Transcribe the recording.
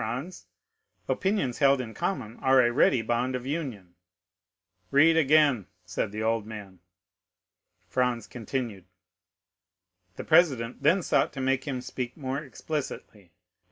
Franz. Opinions held in common are a ready bond of union." "Read again," said the old man. Franz continued: "'The president then sought to make him speak more explicitly, but M.